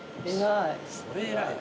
それ偉いな。